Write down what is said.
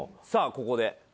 さぁここで。